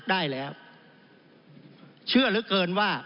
จึงฝากกลับเรียนเมื่อเรามีการแก้รัฐพาหารกันอีก